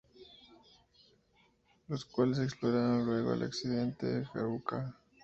Los cuales exploraron luego del accidente de Haruka.